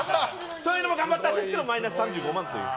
そういうのも頑張ったんですけどマイナス３５万という。